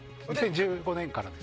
１５年からです。